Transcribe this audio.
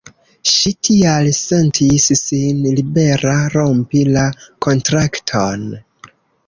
Ŝi tial sentis sin libera rompi la kontrakton.